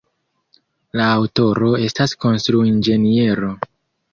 La aŭtoro estas konstruinĝeniero.